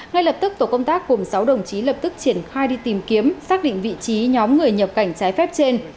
ngay lập tức tổ công tác cùng sáu đồng chí lập tức triển khai đi tìm kiếm xác định vị trí nhóm người nhập cảnh trái phép trên